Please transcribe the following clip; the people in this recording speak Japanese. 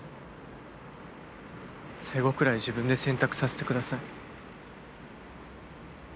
最後くらい自分で選択させてください。